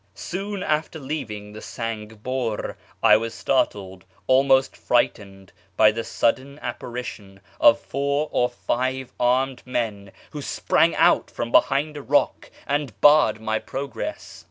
Soon after leaving the Sang hur I w^as startled — almost frightened — by the sudden apparition of four or five armed men, who sprang out from behind a rock and barred my progress.